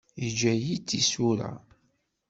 Yeǧǧa-iyi-d tisura.